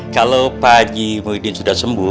kalau pak ji muhyiddin sudah sembuh